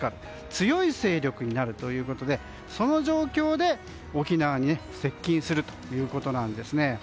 強い勢力になるということでその状況で沖縄に接近するということです。